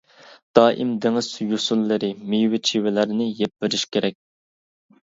دائىم دېڭىز يۈسۈنلىرى، مېۋە-چىۋىلەرنى يەپ بېرىش كېرەك.